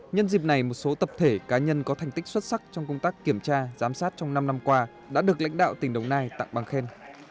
nhân dịp này một số tập thể cá nhân có thành tích xuất sắc trong công tác kiểm tra giám sát trong năm năm qua đã được lãnh đạo tỉnh đồng nai tặng bằng khen